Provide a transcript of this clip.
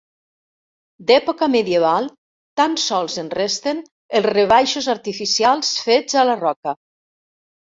D'època medieval tan sols en resten els rebaixos artificials fets a la roca.